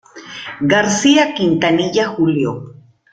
García Quintanilla, Julio.